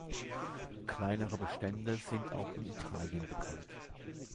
Kleinere Bestände sind auch in Italien bekannt.